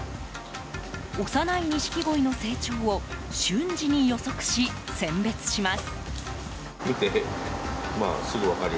幼い錦鯉の成長を瞬時に予測し、選別します。